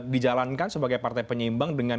dijalankan sebagai partai penyeimbang dengan